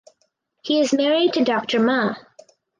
He is married to Doctor Ma.